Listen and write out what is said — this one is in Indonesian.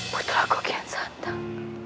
putra kukian santan